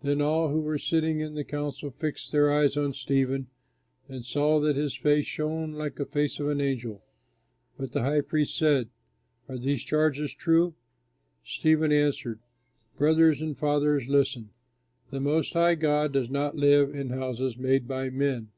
Then all who were sitting in the council fixed their eyes on Stephen and saw that his face shone like the face of an angel. But the high priest said, "Are these charges true?" Stephen answered, "Brothers and fathers, listen. The Most High God does not live in houses made by men.